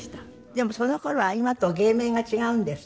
でもその頃は今と芸名が違うんですって？